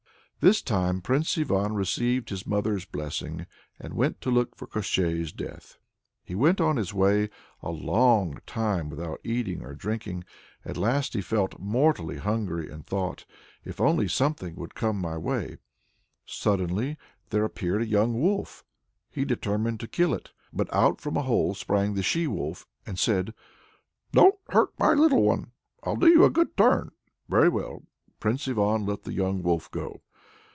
The time came Prince Ivan received his mother's blessing, and went to look for Koshchei's death. He went on his way a long time without eating or drinking; at last he felt mortally hungry, and thought, "If only something would come my way!" Suddenly there appeared a young wolf; he determined to kill it. But out from a hole sprang the she wolf, and said, "Don't hurt my little one; I'll do you a good turn." Very good! Prince Ivan let the young wolf go.